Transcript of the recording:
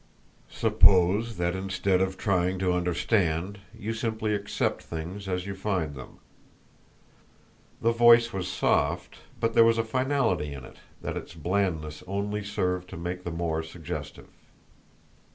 "Suppose that instead of trying to understand you simply accept things as you find them." The voice was soft, but there was a finality in it that its blandness only served to make the more suggestive.